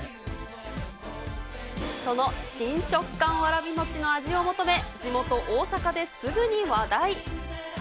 その新食感わらびもちの味を求め、地元、大阪ですぐに話題。